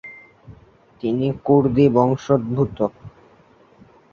তিনি কুর্দি বংশোদ্ভূত।